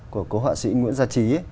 của cố họa sĩ nguyễn gia trí